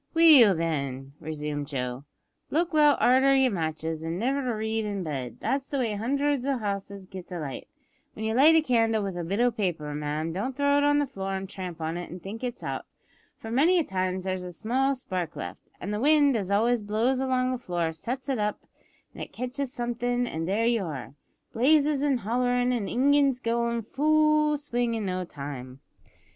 "Well, then," resumed Joe, "look well arter yer matches, an' niver read in bed; that's the way hundreds o' houses get a light. When you light a candle with a bit o' paper, ma'am, don't throw it on the floor an' tramp on it an' think it's out, for many a time there's a small spark left, an' the wind as always blows along the floor sets it up an' it kitches somethin', and there you are blazes an' hollerin' an' ingins goin' full swing in no time.